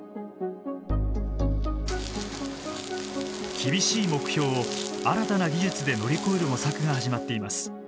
厳しい目標を新たな技術で乗り越える模索が始まっています。